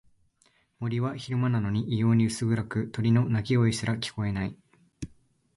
森は昼間なのに異様に薄暗く、鳥の鳴き声すら聞こえない。